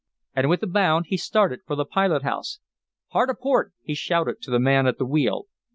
And with a bound he started for the pilot house. "Hard a port!" he shouted to the man at the wheel.